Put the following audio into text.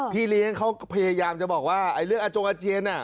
พี่เลี้ยงเขาพยายามจะบอกว่าเรื่องอาจงอาเจียน